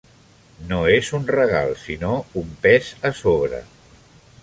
No és un regal, sinó un pes a sobre.